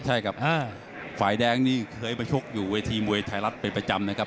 ใช่ครับฝ่ายแดงนี่เคยไปชกอยู่เวทีมวยไทยรัฐเป็นประจำนะครับ